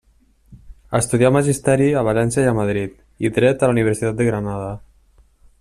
Estudià Magisteri a València i a Madrid, i dret a la Universitat de Granada.